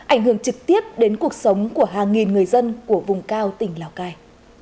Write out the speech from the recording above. ảnh hưởng trực tiếp đến cuộc sống của hàng nghìn người dân của vùng cao tỉnh lào cai